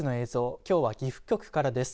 きょうは、岐阜局からです。